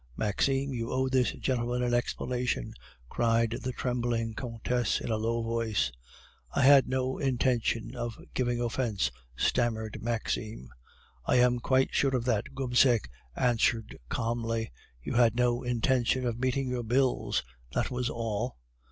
"'Maxime, you owe this gentleman an explanation,' cried the trembling Countess in a low voice. "'I had no intention of giving offence,' stammered Maxime. "'I am quite sure of that,' Gobseck answered calmly; 'you had no intention of meeting your bills, that was all.